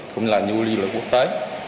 cũng như là du lịch quốc tế